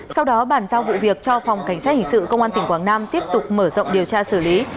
sau đó bàn giao vụ việc cho phòng cảnh sát hình sự công an tỉnh quảng nam tiếp tục mở rộng điều tra xử lý